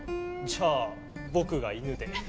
じゃあ僕が犬で。